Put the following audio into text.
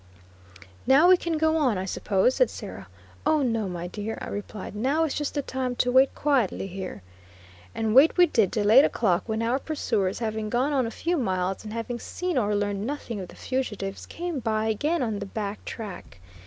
"Now we can go on, I suppose," said Sarah. "Oh no, my dear," I replied, "now is just the time to wait quietly here;" and wait we did till eight o'clock, when our pursuers, having gone on a few miles, and having seen or learned nothing of the fugitives, came by again "on the back track."